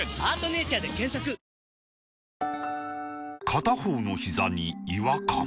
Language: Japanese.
片方のひざに違和感